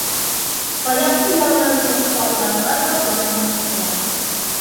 Таяҡты яңынан тоҡҡа уранылар ҙа урамға сыҡтылар.